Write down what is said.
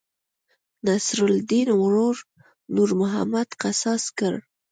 نصرالیدن ورور نور محمد قصاص کړ.